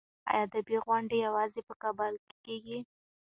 ایا ادبي غونډې یوازې په کابل کې کېږي؟